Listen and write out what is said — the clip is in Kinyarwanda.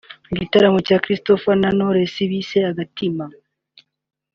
Igitaramo Christopher na Knowless bise ‘Agatima’